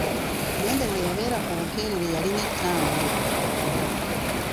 Nnende bwe yabeera ku Bukeerere yalina ettambiro.